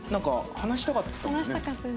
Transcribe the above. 話したかったですね。